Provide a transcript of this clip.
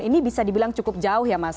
ini bisa dibilang cukup jauh ya mas